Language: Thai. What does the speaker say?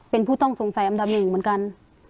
เป็นผู้ต้องสงสัยอำดำเงินเหมือนกัน